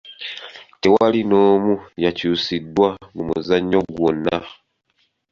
Tewali n'omu yakyusiddwa mu muzannyo gwonna.